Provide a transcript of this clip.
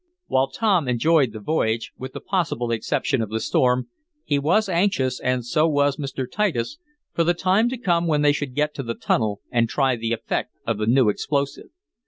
While Tom enjoyed the voyage, with the possible exception of the storm, he was anxious, and so was Mr. Titus, for the time to come when they should get to the tunnel and try the effect of the new explosive.